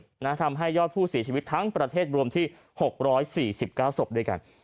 ทำให้ยอดผู้เสียชีวิตทั้งประเทศรวมที่๖๔๙ศพด้วยกัน